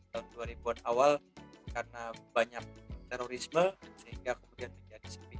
tahun dua ribu an awal karena banyak terorisme sehingga kemudian menjadi sepi